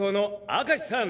明石さん？